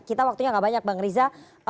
kita waktunya gak banyak bang riza